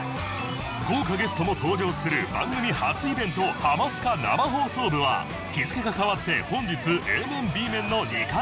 豪華ゲストも登場する番組初イベント「ハマスカ生放送部」は日付が変わって本日 Ａ 面 Ｂ 面の２回公演